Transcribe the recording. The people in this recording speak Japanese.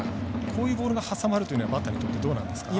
こういうボールが挟まるのはバッターにとってどうなんですか？